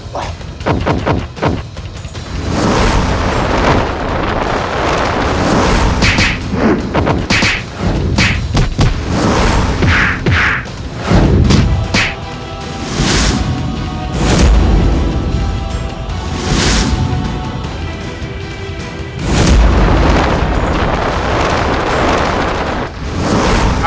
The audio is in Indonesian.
kau tak akan menangkap abikara